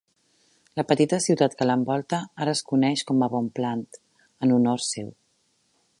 La petita ciutat que l'envolta ara es coneix com a "Bonpland" en honor seu.